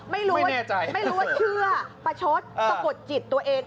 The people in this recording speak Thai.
ไม่รู้ว่าเชื่อประชดสะกดจิตตัวเอง